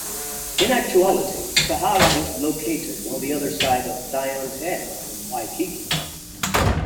In actuality, Kahala is located on the other side of Diamond Head from Waikiki.